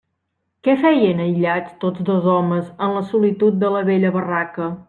Què feien aïllats tots dos homes en la solitud de la vella barraca?